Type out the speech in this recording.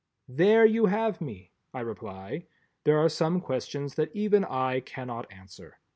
There you have me! I reply. There are some questions that even I cannot answer.